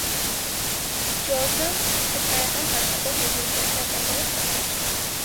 Ջոզը հսկայական հասակով և երկաթյա ատամներով տղա էր։